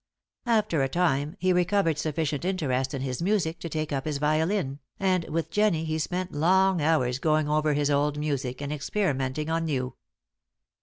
After a time he recovered sufficient interest in his music to take up his violin, and with Jennie he spent long hours going over his old music and experimenting on new.